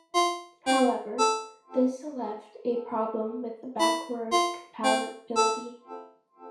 However, this left a problem with backward compatibility.